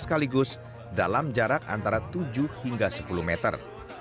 sekaligus dalam jarak antara tujuh hingga sepuluh meter